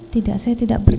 tidak saya tidak bertemu